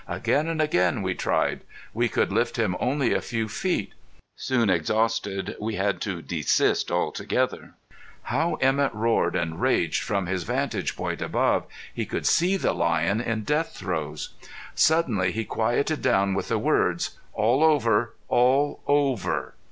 Again and again we tried. We could lift him only a few feet. Soon exhausted, we had to desist altogether. How Emett roared and raged from his vantage point above! He could see the lion in death throes. Suddenly he quieted down with the words: "All over; all over!"